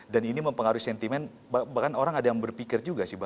dan ini mempengaruhi sentimen bahkan orang ada yang berpikir juga